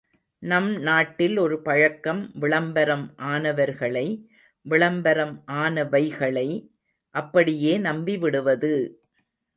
நம் நாட்டில் ஒரு பழக்கம் விளம்பரம் ஆனவர்களை விளம்பரம் ஆனவைகளை அப்படியே நம்பிவிடுவது!